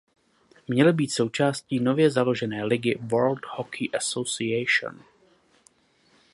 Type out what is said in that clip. Měl být součástí nově založené ligy World Hockey Association.